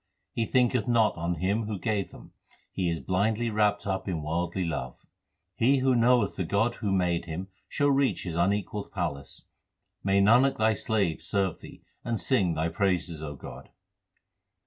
He thinketh not on Him who gave them ; he is blindly wrapped up in worldly love. He who knoweth the God who made him shall reach His unequalled palace. May Nanak Thy slave serve Thee and sing Thy praises, O God!